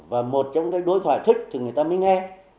và một trong cái đối thoại thích thì người ta mới nghe